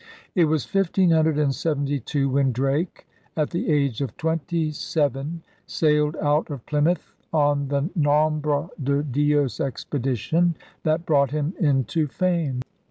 It was 1572 when Drake, at the age of twenty seven, sailed out of Plymouth on the Nombre de Dios expedition that brought him into fame.